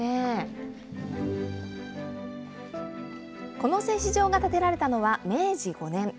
この製糸場が建てられたのは、明治５年。